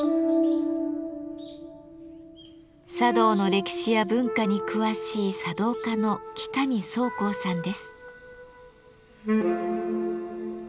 茶道の歴史や文化に詳しい茶道家の北見宗幸さんです。